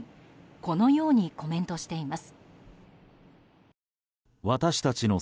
このようにコメントしています。